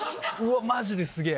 マジですげぇ！